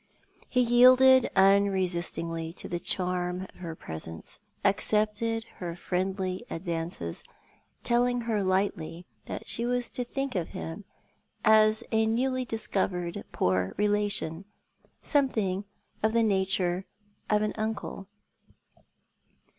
He yielded unresistingly to the charm of her presence, accepted her friendly advances, telling her lightly that she was to tbink of him as a newly discovered poor relation, something of the nature of an uncle.